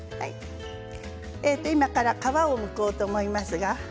今から皮をむこうと思いますが。